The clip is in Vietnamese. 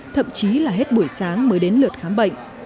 thậm chí là hết buổi sáng mới đến lượt khám bệnh